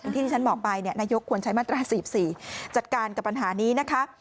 ที่ที่ฉันบอกไปนายกควรใช้มาตรา๔๔จัดการกับปัญหานี้นะคะ